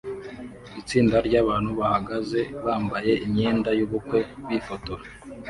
Itsinda ryabantu bahagaze bambaye imyenda yubukwe bifotora